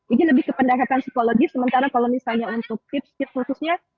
ini lebih ke pendekatan psikologis sementara kalau misalnya untuk tips tips khususnya